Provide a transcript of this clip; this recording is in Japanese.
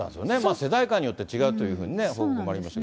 世代間によって違うというような報告もありますけど。